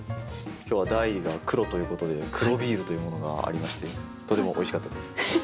今日は題が「黒」ということで黒ビールというものがありましてとてもおいしかったです。